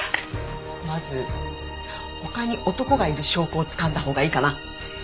まず他に男がいる証拠をつかんだほうがいいかな？